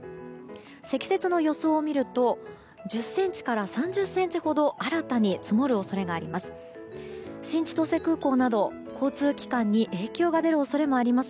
積雪の予想を見ると１０ｃｍから３０ｃｍほど新たに積もる恐れがあります。